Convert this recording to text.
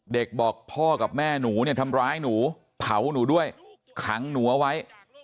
เด็กบอกพ่อกับแม่หนูเนี่ยทำร้ายหนูเผาหนูด้วยขังหนูเอาไว้